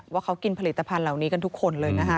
ว่าเขากินผลิตภัณฑ์เหล่านี้กันทุกคนเลยนะคะ